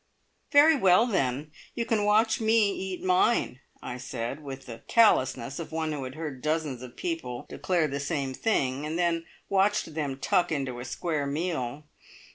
"Very well then you can watch me eat mine," I said, with the callousness of one who had heard dozens of people declare the same thing, and then watched them tuck into a square meal.